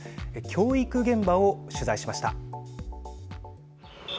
教育現場を取材しました。